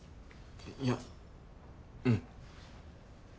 いやうん。